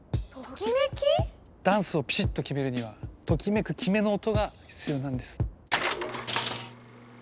ダンスをピシッと決めるにはときめく「キメ」の音が必要なんです。